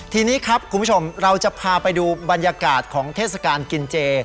ทีนี้ครับคุณผู้ชมเราจะพาไปดูบรรยากาศของเทศกาลกินเจ